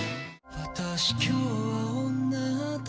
「私今日は女だから」